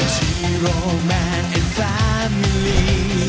จีโรแมนแอนด์แฟมิลี่